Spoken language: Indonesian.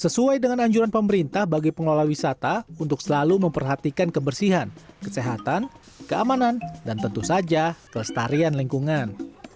sesuai dengan anjuran pemerintah bagi pengelola wisata untuk selalu memperhatikan kebersihan kesehatan keamanan dan tentu saja kelestarian lingkungan